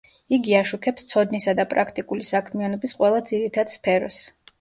იგი აშუქებს ცოდნისა და პრაქტიკული საქმიანობის ყველა ძირითად სფეროს.